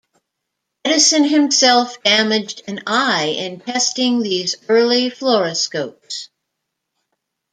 Edison himself damaged an eye in testing these early fluoroscopes.